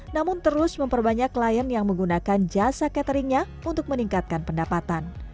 namun terus memperbanyak klien yang menggunakan jasa cateringnya untuk meningkatkan pendapatan